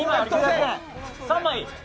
３枚。